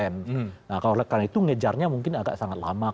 nah kalau lekat itu ngejarnya mungkin agak sangat lama